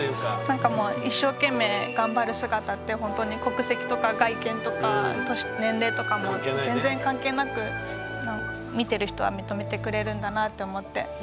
なんかもう一生懸命がんばる姿ってほんとに国籍とか外見とか年齢とかも全然関係なく見てる人は認めてくれるんだなって思って。